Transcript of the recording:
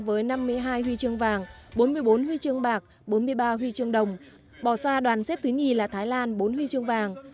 với năm mươi hai huy chương vàng bốn mươi bốn huy chương bạc bốn mươi ba huy chương đồng bỏ xa đoàn xếp thứ hai là thái lan bốn huy chương vàng